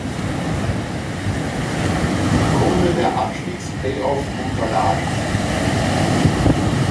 Runde der Abstiegsplayoff unterlag.